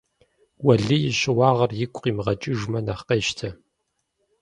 Уэлий и щыуагъэр игу къимыгъэкӀыжмэ нэхъ къещтэ.